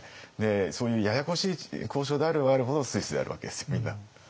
そういうややこしい交渉であればあるほどスイスでやるわけですよみんな。